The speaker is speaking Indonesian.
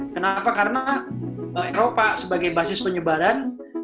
kenapa karena eropa sebagai basis penyebaran